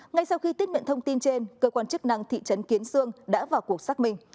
ngay sau khi tiết miệng thông tin trên cơ quan chức năng thị trấn kiến sương đã vào cuộc xác minh